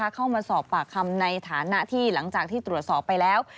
เข้ามาสอบปากคำในฐานะที่หลังจากที่ตรวจสอบไปแล้ว